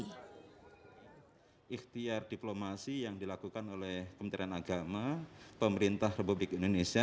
hai ikhtiar diplomasi yang dilakukan oleh kementerian agama pemerintah republik indonesia